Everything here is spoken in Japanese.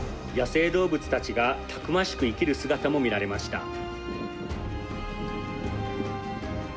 野生動物たちがたくましく生きる姿も見られました。